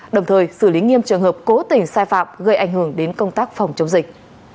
đồng thời xử lý nghiêm trường hợp cố tình sai phạm gây ảnh hưởng đến công tác phòng chống dịch